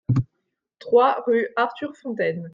trois rue Arthur Fontaine